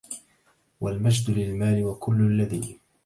والمجدُ للمالِ وكلُّ الذي